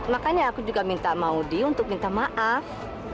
makanya aku juga minta maudie untuk minta maaf